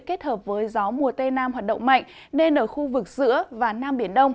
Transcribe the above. kết hợp với gió mùa tây nam hoạt động mạnh nên ở khu vực giữa và nam biển đông